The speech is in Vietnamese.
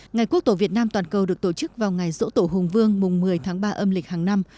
ngày quốc tổ việt nam toàn cầu được tổ chức vào ngày dỗ tổ hùng vương mùng một mươi tháng ba âm lịch hàng năm